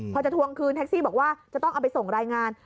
พอจะทวงคืนแท็กซี่บอกว่าจะต้องเอาไปส่งรายงาน